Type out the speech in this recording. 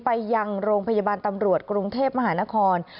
ไปยังโรงพยาบาลตำรวจกรุงเทพมหานคร